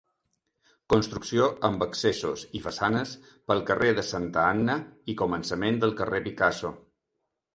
Construcció amb accessos i façanes pel carrer de Santa Anna i començament del carrer Picasso.